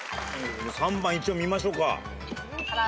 ３番一応見ましょうか。